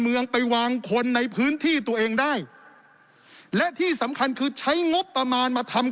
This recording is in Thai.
เมืองไปวางคนในพื้นที่ตัวเองได้และที่สำคัญคือใช้งบประมาณมาทำ